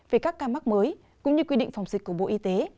về các ca mắc mới cũng như quy định phòng dịch của bộ y tế